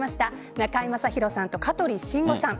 中居正広さんと香取慎吾さん。